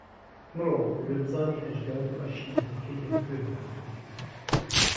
مرۆ دەبێ بزانێ ئەژداد و عەشیرەتەکەی لەکوێ هاتوون.